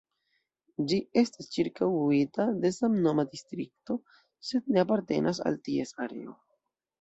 Ĝi estas ĉirkaŭita de samnoma distrikto, sed ne apartenas al ties areo.